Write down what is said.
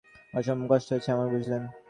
অসম্ভব কষ্ট হয়েছে আমার, বুঝলেন।